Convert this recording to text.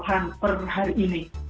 sembilan puluh an per hari ini